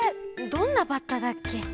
どんなバッタだっけ？